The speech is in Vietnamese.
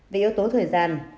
về yếu tố thời gian